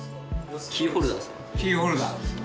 キーホルダーっすか？